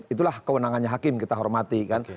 itulah kewenangannya hakim kita hormati kan